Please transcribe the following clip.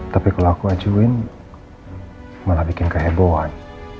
tapi kalau aku acuin malah bikin kehebohan